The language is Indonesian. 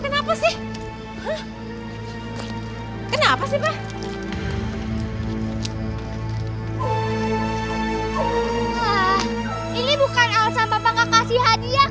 kita harus berusaha untuk menjalani perjalanan yang lebih baik